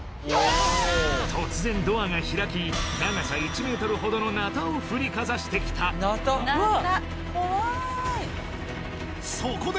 突然ドアが開き長さ１メートルほどのナタを振りかざしてきたそこで